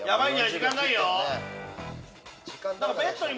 時間ないよ。